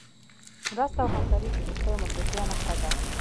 مرسته او همکاري د دوستۍ او ملګرتیا نښه ده.